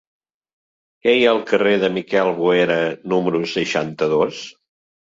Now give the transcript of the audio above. Què hi ha al carrer de Miquel Boera número seixanta-dos?